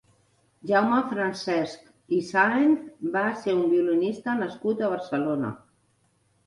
Jaume Francesch i Saènz va ser un violinista nascut a Barcelona.